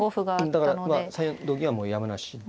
だから３四同銀はもうやむなしで。